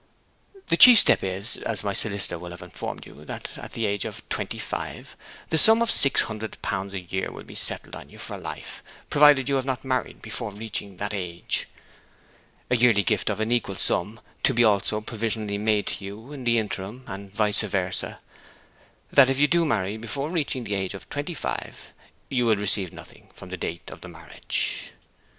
'The chief step is, as my solicitor will have informed you, that, at the age of twenty five, the sum of 600 pounds a year be settled on you for life, provided you have not married before reaching that age; a yearly gift of an equal sum to be also provisionally made to you in the interim and, vice versa, that if you do marry before reaching the age of twenty five you will receive nothing from the date of the marriage.